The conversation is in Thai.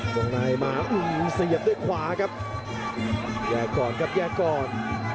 วงในมาเสียบด้วยขวาครับแยกก่อนครับแยกก่อน